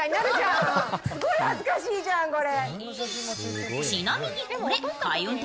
すごい恥ずかしいじゃん、これ。